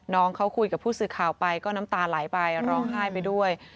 น้องเขาคุยกับผู้สื่อข่าวไปก็น้ำตาไหลไปร้องไห้ไปด้วย